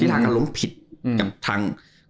ทิศทางการล้มผิดกับทั้งอืม